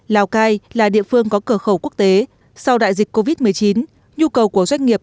lào cai là địa phương có cửa khẩu quốc tế sau đại dịch covid một mươi chín nhu cầu của doanh nghiệp